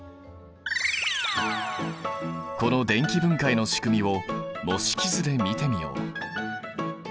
この電気分解のしくみを模式図で見てみよう。